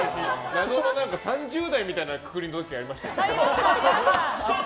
謎の３０代みたいなくくりの時ありましたよね。